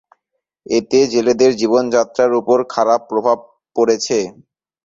এতে জেলেদের জীবনযাত্রার উপর খারাপ প্রভাব পড়েছে।